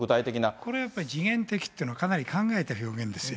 これは時限的っていうのは、かなり考えた表現ですよ。